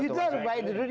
itu terbaik di dunia